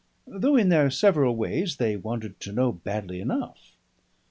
Though in their several ways they wanted to know badly enough.